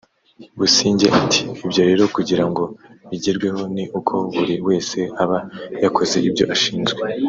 Busingye ati “ Ibyo rero kugira ngo bigerweho ni uko buri wese aba yakoze ibyo ashinzwe